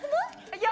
いや。